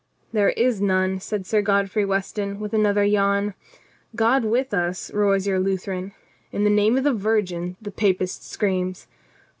"There is none," said Sir Godfrey Weston with another yawn. " 'God with us !' roars your Lu theran. 'In the name of the Virgin !' the Papist screams.